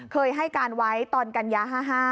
เคยให้การไว้ตอนกันยา๕๕